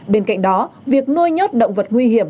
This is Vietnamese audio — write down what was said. bên cạnh đó việc nuôi nhốt động vật nguy hiểm